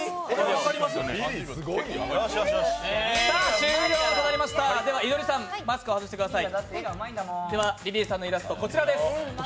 終了となりました、いのりさん、マスクを外してください。